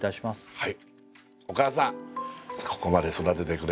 はい。